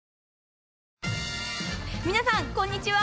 皆さん、こんにちは！